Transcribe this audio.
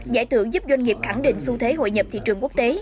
giải thưởng giúp doanh nghiệp khẳng định xu thế hội nhập thị trường quốc tế